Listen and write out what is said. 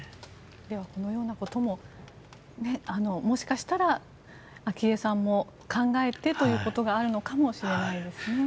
では、このようなことももしかしたら昭恵さんも考えてということがあるのかもしれないですね。